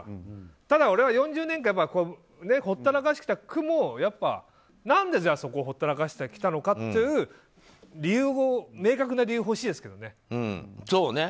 ただ俺は４０年間ほったらかしてきた区も何でじゃあそこをほったらかしてきたのかっていう明確な理由が欲しいですけどね。